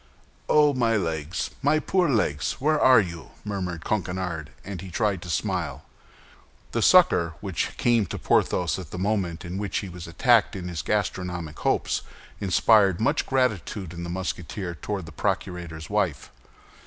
"Oh, my legs, my poor legs! where are you?" murmured Coquenard, and he tried to smile. This succor, which came to Porthos at the moment in which he was attacked in his gastronomic hopes, inspired much gratitude in the Musketeer toward the procurator's wife.